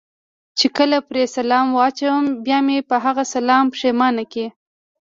چې کله پرې سلام واچوم، بیا مې په هغه سلام پښېمانه کړي.